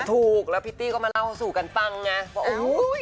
ถูกแล้วพี่ตี้ก็มาเล่าสู่กันตั้งไง